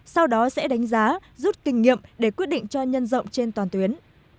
sau đó sẽ đánh giá rút kinh nghiệm để quyết định cho nhân rộng trên toàn tuyến